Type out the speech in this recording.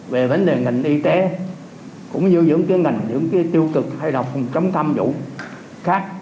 về vấn đề ngành y tế cũng như những cái ngành tiêu cực hay là không chấm tham vũ khác